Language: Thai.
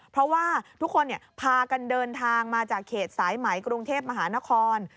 เพราะว่าทุกคนพากันเดินทางมาจากเขตสายไหมกรุงเทพมหานคร